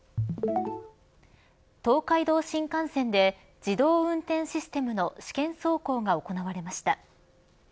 東海道新幹線で自動運転システムの試験走行が行われました。